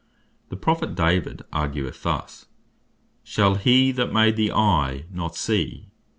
The Prophet David argueth thus, "Shall he that made the eye, not see?